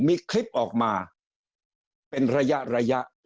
มีคลิปออกมาเป็นระยะ